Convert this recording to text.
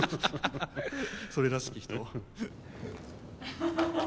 それらしき人を。